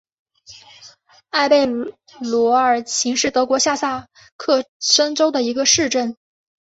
埃贝罗尔岑是德国下萨克森州的一个市镇。